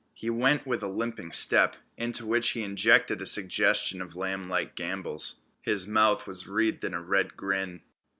He went with a limping step, into which he injected a suggestion of lamblike gambols. His mouth was wreathed in a red grin.